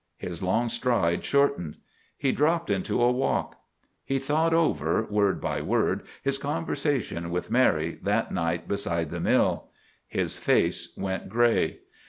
His long stride shortened. He dropped into a walk. He thought over, word by word, his conversation with Mary that night beside the mill. His face went grey.